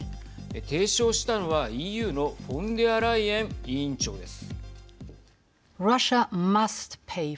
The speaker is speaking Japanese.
提唱したのはＥＵのフォンデアライエン委員長です。